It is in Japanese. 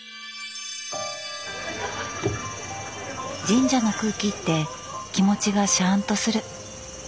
神社の空気って気持ちがシャンとする。